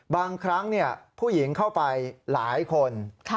บางครั้งผู้หญิงเข้าไปหลายคน